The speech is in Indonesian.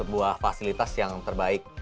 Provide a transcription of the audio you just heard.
sebuah fasilitas yang terbaik